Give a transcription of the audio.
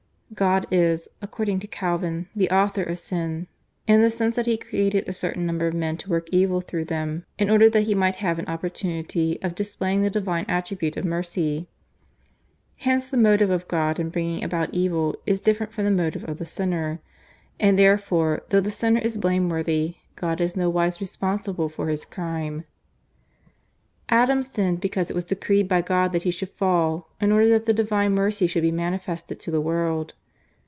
God is, according to Calvin, the author of sin, in the sense that he created a certain number of men to work evil through them in order that He might have an opportunity of displaying the divine attribute of mercy. Hence the motive of God in bringing about evil is different from the motive of the sinner, and therefore though the sinner is blameworthy God is nowise responsible for his crime. Adam sinned because it was decreed by God that he should fall in order that the divine mercy should be manifested to the world.